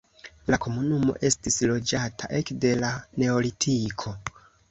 La komunumo estis loĝata ekde la neolitiko.